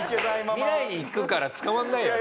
未来に行くから捕まらないよね。